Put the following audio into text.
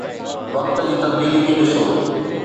وقت جي تبديلي کي ڏسو.